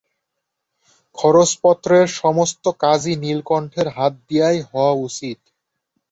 খরচপত্রের সমস্ত কাজই নীলকণ্ঠের হাত দিয়াই হওয়া চাই।